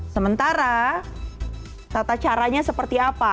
sementara tata caranya seperti apa